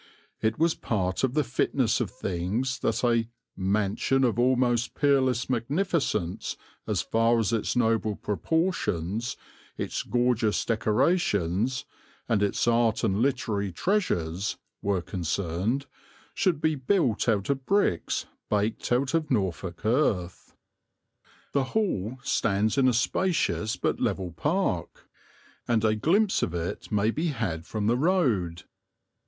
It was part of the fitness of things that a "mansion of almost peerless magnificence, as far as its noble proportions, its gorgeous decorations, and its art and literary treasures" were concerned, should be built out of bricks baked out of Norfolk earth. The Hall stands in a spacious but level park, and a glimpse of it may be had from the road.